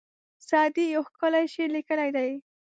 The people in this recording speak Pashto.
سعدي یو ښکلی شعر لیکلی دی.